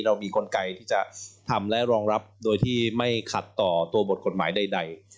เรามีกลไกที่จะทำและรองรับโดยที่ไม่ขัดต่อตัวบทกฎหมายใด